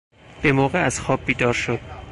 بموقع از خواب بیدار شد